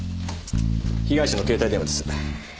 被害者の携帯電話です。